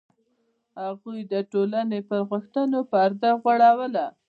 هغوی د ټولنې پر غوښتنو پرده غوړوله.